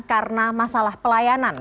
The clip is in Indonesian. karena masalah pelayanan